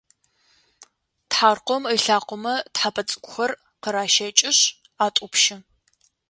Тхьаркъом ылъакъомэ тхьэпэ цӏыкӏухэр къаращэкӏышъ атӏупщы.